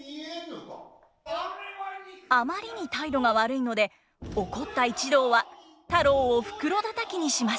あまりに態度が悪いので怒った一同は太郎を袋だたきにします。